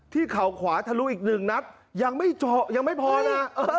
ที่เข่าขวาทะลุอีก๑นัดยังไม่พอนะ